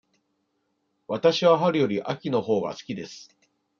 わたしは春より秋のほうが好きです。